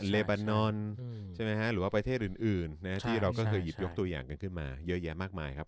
เลบานอนใช่ไหมฮะหรือว่าประเทศอื่นที่เราก็เคยหยิบยกตัวอย่างกันขึ้นมาเยอะแยะมากมายครับ